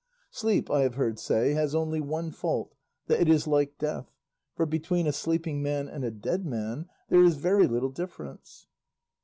Sleep, I have heard say, has only one fault, that it is like death; for between a sleeping man and a dead man there is very little difference."